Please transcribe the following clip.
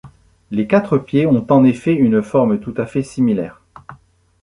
Les quatre pieds ont en effet une forme tout à fait similaire.